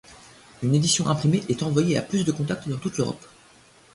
Une édition imprimée est envoyée à plus de contacts dans toute l’Europe.